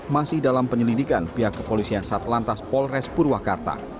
masih dalam penyelidikan pihak kepolisian satlantas polres purwakarta